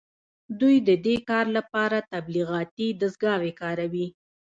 دوی د دې کار لپاره تبلیغاتي دستګاوې کاروي